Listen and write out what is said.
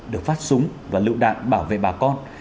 được phát súng và lựu đạn bảo vệ bà con